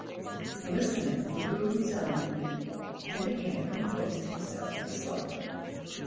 His listener blew resignedly and again com posed himself to slumber.